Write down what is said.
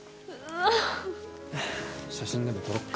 写真でも撮ろうか。